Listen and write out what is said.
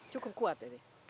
cukup kuat ya